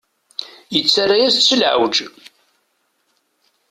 Yettarra-yas-d s leɛweǧ.